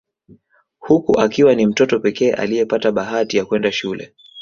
Huku akiwa ni mtoto pekee aliyepata bahati ya kwenda shule